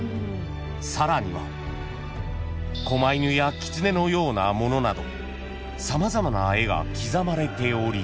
［さらにはこま犬やキツネのようなものなど様々な絵が刻まれており］